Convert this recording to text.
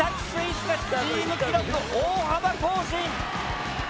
しかしチーム記録大幅更新。